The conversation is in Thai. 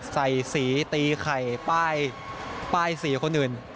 ใส่สีตีไข่ป้ายสีคนอื่น